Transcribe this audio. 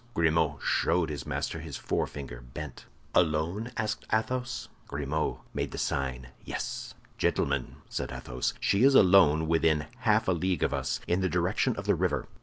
Grimaud showed his master his forefinger bent. "Alone?" asked Athos. Grimaud made the sign yes. "Gentlemen," said Athos, "she is alone within half a league of us, in the direction of the river."